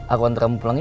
aku antara mu pulang yuk